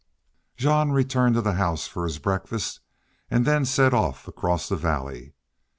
Jean returned to the house for his breakfast, and then set off across the valley.